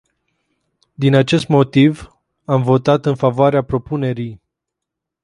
Din acest motiv, am votat în favoarea propunerii.